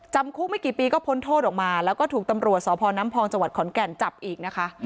คุกไม่กี่ปีก็พ้นโทษออกมาแล้วก็ถูกตำรวจสพน้ำพองจังหวัดขอนแก่นจับอีกนะคะ